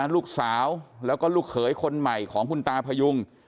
ลูกสาวแล้วก็ลูกเขยคนใหม่ของคุณตาพยุง